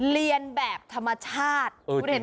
เรียนแบบธรรมชาติ